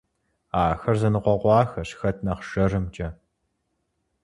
Ахэр зэныкъуэкъуахэщ хэт нэхъ жэрымкӀэ.